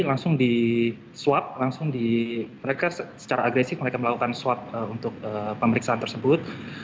langsung diswap langsung di mereka secara agresif mereka melakukan swap untuk pemeriksaan tersebut